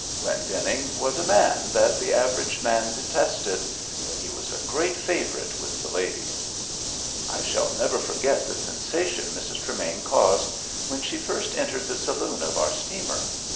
Glendenning was a man that the average man detested, but he was a great favourite with the ladies. I shall never forget the sensation Mrs. Tremain caused when she first entered the saloon of our steamer.